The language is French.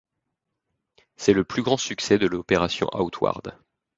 C'est le plus grand succès de l’opération Outward.